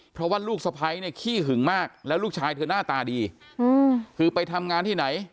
เพราะว่าลูกสะพ้ายเนี่ยขี้หึงมากแล้วลูกชายเธอหน้าตาดีคือไปทำงานที่ไหน